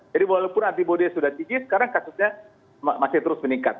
jadi walaupun antibody sudah tinggi sekarang kasusnya masih terus meningkat